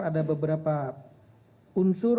ada beberapa unsur